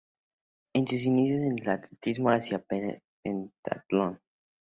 En sus inicios en el atletismo hacia pentatlón.